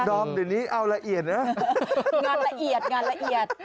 น้องเดี๋ยวนี้เอาระเอียดนะงานละเอียด